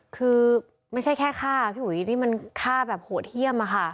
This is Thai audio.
คือไม่ใช่แค่ฆ่าพี่อุ๋ยนี่มันฆ่าแบบโหดเยี่ยมอะค่ะ